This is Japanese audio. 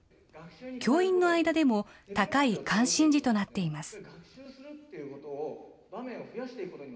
教員の間でも、高い関心事となっています。